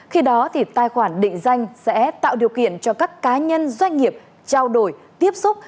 khi đó thì tài khoản định danh sẽ tạo điều kiện cho các cá nhân doanh nghiệp trao đổi tiếp xúc